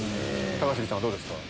高杉さんはどうですか？